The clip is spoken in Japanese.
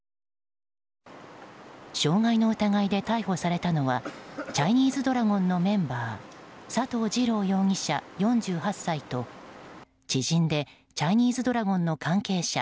傷害の疑いで逮捕されたのはチャイニーズドラゴンのメンバー佐藤次郎容疑者、４８歳と知人でチャイニーズドラゴンの関係者